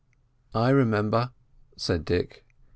"I remember," said Dick.